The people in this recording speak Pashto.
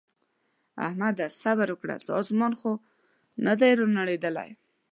احمده! صبره وکړه څه اسمان خو نه دی رانړېدلی.